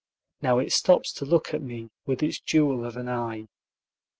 Now it stops to look at me with its jewel of an eye.